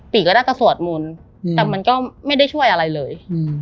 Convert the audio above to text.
ก็ได้ก็สวดมนต์แต่มันก็ไม่ได้ช่วยอะไรเลย